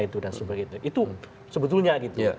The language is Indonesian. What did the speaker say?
itu sebetulnya gitu